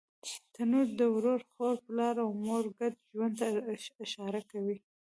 تنور د ورور، خور، پلار او مور ګډ ژوند ته اشاره کوي